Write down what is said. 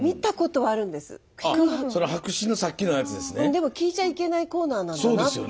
でも聞いちゃいけないコーナーなんだなって。